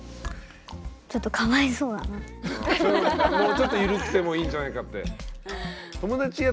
それはもうちょっとゆるくてもいいんじゃないかって。